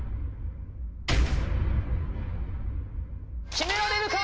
決められるか？